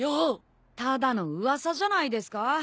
ただの噂じゃないですか？